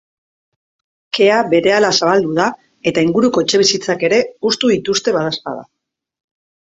Kea berehala zabaldu da, eta inguruko etxebizitzak ere hustu dituzte, badaezpada.